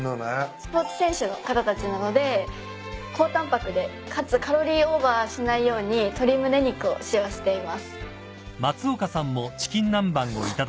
スポーツ選手の方たちなので高タンパクでかつカロリーオーバーしないように鶏胸肉を使用しています。